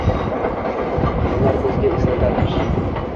Ular bizga eslatarmish